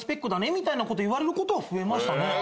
みたいなこと言われることは増えましたね。